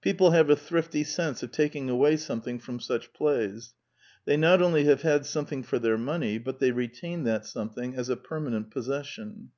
People have a thrifty sense of taking away something from such plays: they not only have had something for their money, but they retain that something as a permanent possession.